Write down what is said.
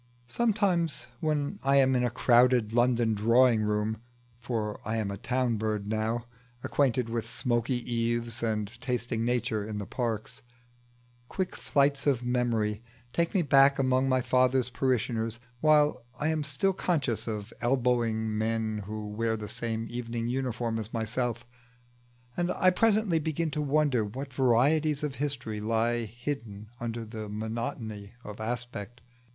Sometimes when I am in a crowded London drawing room (for I am a town bird now, acquainted with smoky eaves, and tasting Nature in the parks) quick flights of memory take me back among my father's parishioners while I am still conscious of elbowing men who wear the same evening uniform as myself; and I presently begin to wonder what varieties of history lie hidden under this monotony of aspect.